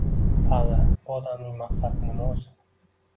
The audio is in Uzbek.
Tavba, bu odamning maqsadi nima o`zi